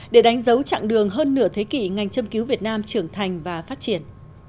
để đánh dấu chặng đường hơn nửa thế kỷ ngành châm cứu việt nam trưởng thành và phát triển